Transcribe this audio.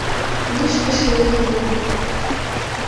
Лишке шÿлыкетым.